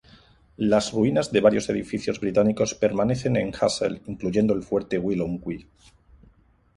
Las ruinas de varios edificios británicos permanecen en Hassel, incluyendo el Fuerte Willoughby.